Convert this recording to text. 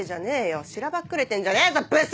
しらばっくれてんじゃねえぞブス‼